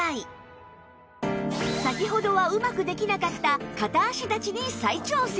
先ほどはうまくできなかった片足立ちに再挑戦